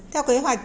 theo kế hoạch